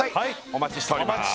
お待ちしております